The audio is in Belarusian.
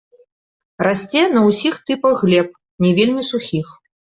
Расце на ўсіх тыпах глеб, не вельмі сухіх.